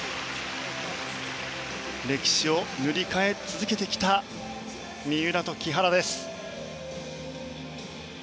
歴史を塗り替え続けてきた三浦と木原です。